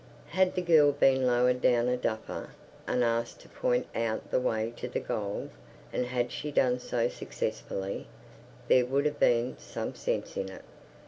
Had the girl been lowered down a duffer, and asked to point out the way to the gold, and had she done so successfully, there would have been some sense in it.